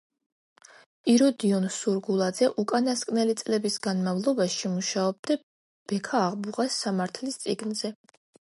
იროდიონ სურგულაძე უკანასკნელი წლების განმავლობაში მუშაობდა ბექა-აღბუღას სამართლის წიგნზე.